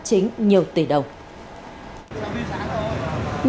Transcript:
bất chính nhiều tỷ đồng